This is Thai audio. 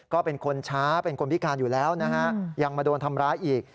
ก็เป็นคนช้าเป็นคนพิการอยู่แล้วนะฮะยังมาโดนทำร้ายอีก